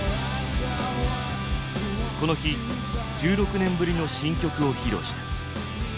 この日１６年ぶりの新曲を披露した。